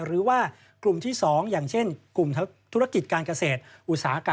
หรือว่ากลุ่มที่๒อย่างเช่นกลุ่มธุรกิจการเกษตรอุตสาหกรรม